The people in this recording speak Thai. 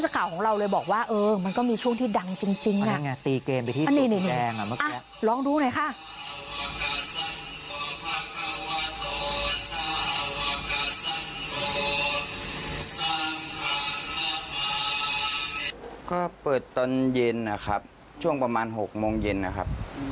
ก็เปิดตอนเย็นนะครับช่วงประมาณ๖โมงเย็นนะครับ